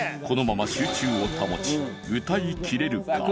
このまま集中を保ち歌いきれるか？